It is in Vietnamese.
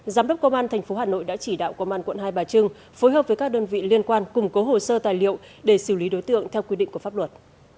giám đốc công an tp hà nội đã chỉ đạo công an quận hai bà trưng phối hợp với các đơn vị liên quan củng cố hồ sơ tài liệu để xử lý đối tượng theo quy định của pháp luật